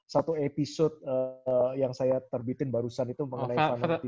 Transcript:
satu episode yang saya terbitin barusan itu mengenai family